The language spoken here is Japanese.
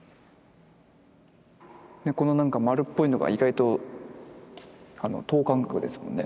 このなんか丸っぽいのが意外と等間隔ですもんね